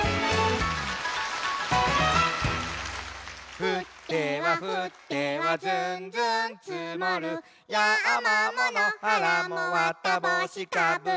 「ふってはふってはずんずんつもる」「やまものはらもわたぼうしかぶり」